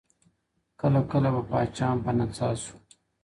کله کله به پاچا هم په نڅا سو